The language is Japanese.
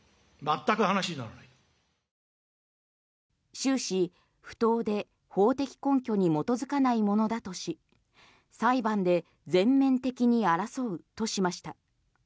終始、不当で法的根拠に基づかないものだとし裁判で全面的に争うとしました。